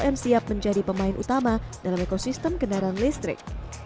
pemerintah juga menjadi pemain utama dalam ekosistem kendaraan listrik